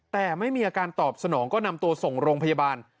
แต่ไม่มีอาการตอบสนองก็นำตัวส่งโรงพยาบาล